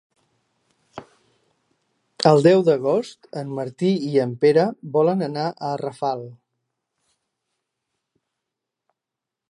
El deu d'agost en Martí i en Pere volen anar a Rafal.